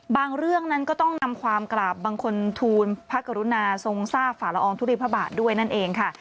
เรื่องนั้นก็ต้องนำความกราบบังคลทูลพระกรุณาทรงทราบฝ่าละอองทุลีพระบาทด้วยนั่นเองค่ะ